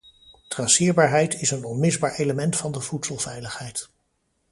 Traceerbaarheid is een onmisbaar element van de voedselveiligheid.